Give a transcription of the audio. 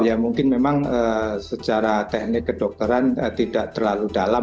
ya mungkin memang secara teknik kedokteran tidak terlalu dalam